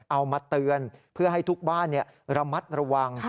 เอามาเตือนเพื่อให้ทุกบ้านระมัดระวัง